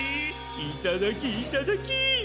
いただきいただき。